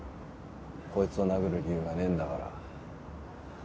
コイツを殴る理由がねえんだから。